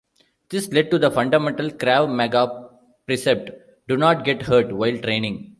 This led to the fundamental Krav Maga precept, 'do not get hurt' while training.